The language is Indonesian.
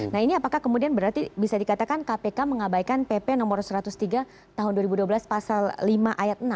nah ini apakah kemudian berarti bisa dikatakan kpk mengabaikan pp no satu ratus tiga tahun dua ribu dua belas pasal lima ayat enam